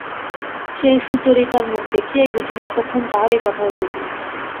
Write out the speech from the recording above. সে সুচরিতার মুখ দেখিয়াই বুঝিল এতক্ষণ তাহারই কথা হইতেছিল।